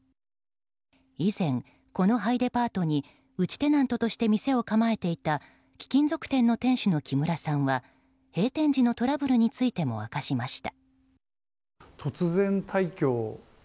以前、この廃デパートに内テナントとして店を構えていた貴金属店の店主の木村さんは閉店時のトラブルについても明かしました。